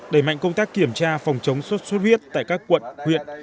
đẩy mạnh công tác kiểm tra phòng chống sốt xuất huyết tại các quận huyện